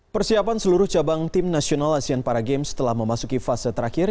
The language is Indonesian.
persiapan seluruh cabang tim nasional asean para games telah memasuki fase terakhir